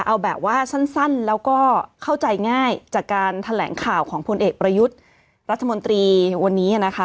เอาแบบว่าสั้นแล้วก็เข้าใจง่ายจากการแถลงข่าวของพลเอกประยุทธ์รัฐมนตรีวันนี้นะคะ